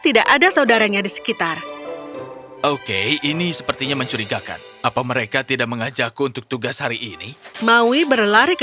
tapi kamu tidak menerima selain tahu bahwa armies porrde